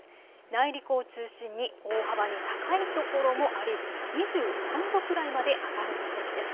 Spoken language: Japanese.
内陸を中心に大幅に高い所もあり２３度くらいまで上がる見込みです。